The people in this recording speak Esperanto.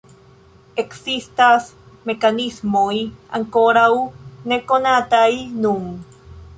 Ekzistas mekanismoj ankoraŭ nekonataj nun.